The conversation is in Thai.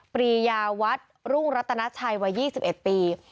ปรียาวัดรุ่งรัตนาชัยวัย๒๑ปี